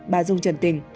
bà dung trần tình